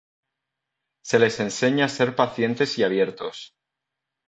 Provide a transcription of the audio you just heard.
Se les enseña a ser pacientes y abiertos.